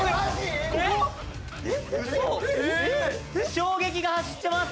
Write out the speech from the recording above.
衝撃が走ってます